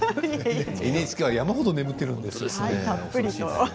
ＮＨＫは山程、眠っているんですよね。